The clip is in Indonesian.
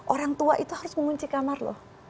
orang tua itu harus mengunci kamar loh